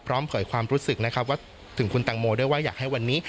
เผยความรู้สึกนะครับว่าถึงคุณตังโมด้วยว่าอยากให้วันนี้